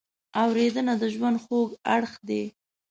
اورېدنه د ژوند خوږ اړخ دی.